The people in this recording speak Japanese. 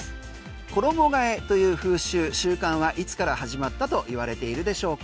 衣替えという風習、習慣はいつから始まったと言われているでしょうか。